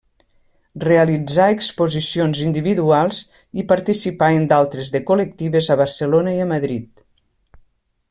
Realitzà exposicions individuals i participà en d'altres de col·lectives a Barcelona i a Madrid.